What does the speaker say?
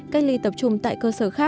cách ly tại nhà nơi lưu trung